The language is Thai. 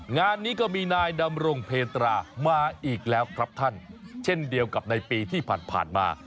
งานนี้ก็มีนายดำรงเพตรามาอีกแล้วครับท่านเช่นเดียวกับในปีที่ผ่านมา